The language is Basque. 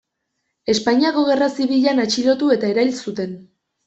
Espainiako Gerra Zibilean atxilotu eta erail zuten.